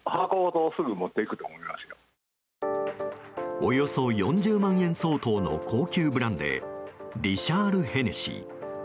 およそ４０万円相当の高級ブランデーリシャール・ヘネシー。